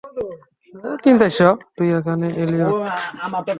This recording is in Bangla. তুই এখানে এলিয়ট!